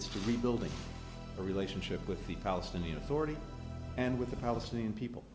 untuk membangun hubungan dengan kekuatan palestina dan dengan orang orang palestina